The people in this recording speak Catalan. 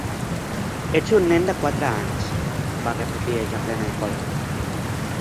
"Ets un nen de quatre anys", va repetir ella plena de còlera.